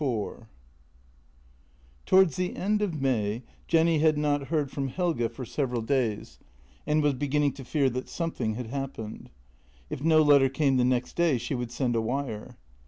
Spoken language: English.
IV T OWARDS the end of May Jenny had not heard from Helge for several days, and was beginning to fear that something had happened. If no letter came the next day she would send a wire.